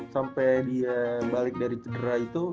sampe dia balik dari tergerak itu